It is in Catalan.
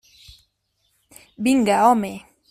Vinga, home!